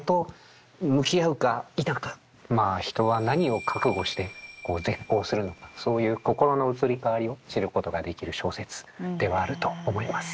まあ人は何を覚悟して絶交するのかそういう心の移り変わりを知ることができる小説ではあると思います。